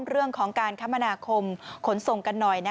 เรื่องของการคมนาคมขนส่งกันหน่อย